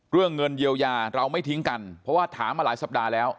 เรื่องเงินเยียวยาเราไม่ทิ้งกันเพราะว่าถามมาหลายสัปดาห์แล้ว